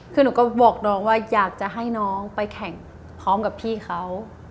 คือหนูก็บอกน้องว่าอยากจะให้น้องไปแข่งพร้อมกับพี่เขา